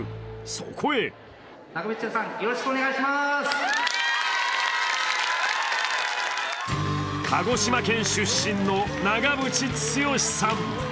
そこへ鹿児島県出身の長渕剛さん。